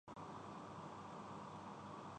’Status quo‘ ہم میں سے اکثر 'سٹیٹس کو‘ کے خلاف ہیں۔